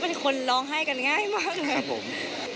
เป็นคนร้องไห้กันง่ายมากเลยครับผม